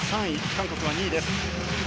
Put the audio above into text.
韓国が２位です。